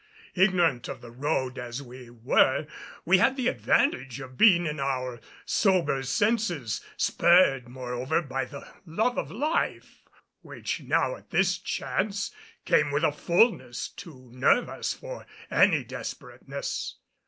Ignorant of the road as we were we had the advantage of being in our sober senses, spurred, moreover, by the love of life, which now at this chance came with a fulness to nerve us for any desperateness.